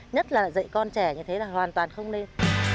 nhất là dạy con trẻ như thế là hoàn toàn không lên